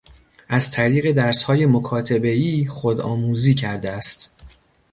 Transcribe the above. از طریق درسهای مکاتبهای خودآموزی کرده است.